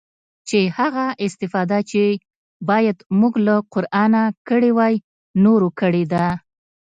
چې هغه استفاده چې بايد موږ له قرانه کړې واى نورو کړې ده.